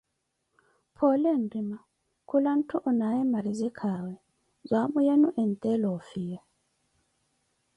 Phoole nrima, kula ntthu onaaye marizikaawe, zwaamu yenu enttela ofiya.